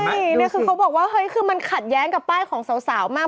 ใช่นี่คือเขาบอกว่าเฮ้ยคือมันขัดแย้งกับป้ายของสาวมาก